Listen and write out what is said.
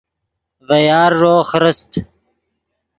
ڤے یارݱو خرست